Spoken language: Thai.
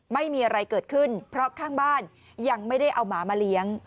ไม่มีอะไรเกิดขึ้นเพราะข้างบ้านยังไม่ได้เอาหมามาเลี้ยง